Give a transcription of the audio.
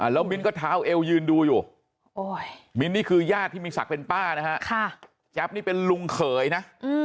แล้วมิ้นก็เท้าเอวยืนดูอยู่มิ้นนี่คือญาติที่มีศักดิ์เป็นป้านะฮะแจ๊บนี่เป็นลุงเขยนะ